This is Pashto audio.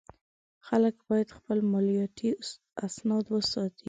خلک باید خپل مالیاتي اسناد وساتي.